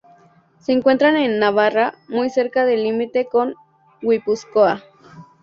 Se encuentra en Navarra, muy cerca del límite con Guipúzcoa.